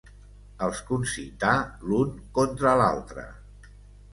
Els concità l'un contra l'altre.